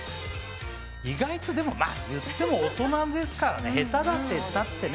意外とでもまあいっても大人ですからね下手だっていったってね。